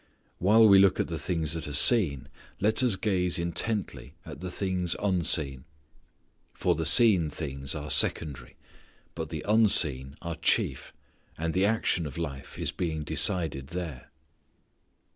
While we look at the things that are seen, let us gaze intently at the things unseen; for the seen things are secondary, but the unseen are chief, and the action of life is being decided there.